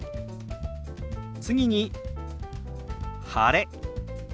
次に「晴れ」。